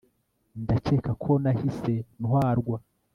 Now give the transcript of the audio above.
ndakeka ko nahise ntwarwa